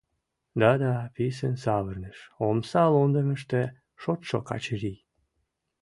— Да-да, — писын савырныш омса лондемыште шотшо Качырий.